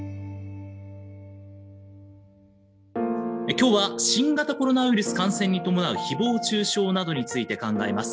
今日は新型コロナウイルス感染に伴うひぼう中傷などについて考えます。